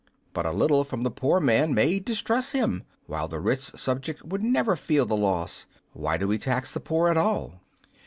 "But a little from the poor man may distress him, while the rich subject would never feel the loss. Why do we tax the poor at all?"